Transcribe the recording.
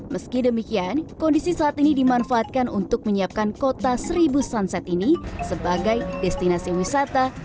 meski demikian kondisi saat ini dimanfaatkan untuk menyiapkan kota seribu sunset ini sebagai destinasi wisata